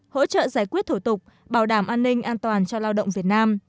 hỗ trợ giải quyết thủ tục bảo đảm an ninh an toàn cho lao động việt nam